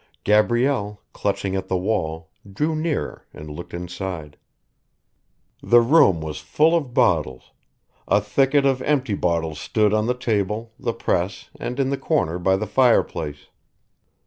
Gabrielle, clutching at the wall, drew nearer and looked inside. The room was full of bottles, a thicket of empty bottles stood on the table, the press, and in the corner by the fireplace.